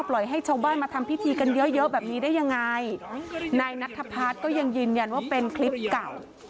ให้ชาวบ้านมาทำพิธีกันเยอะเยอะแบบนี้ได้ยังไงนายนัทพัฒน์ก็ยังยืนยันว่าเป็นคลิปเก่า